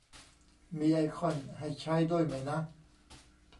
มีไอคอนให้ใช้ด้วยไหมนะ